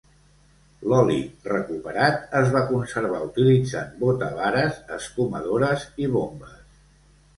L"oli recuperat es va conservar utilitzant botavares, escumadores i bombes.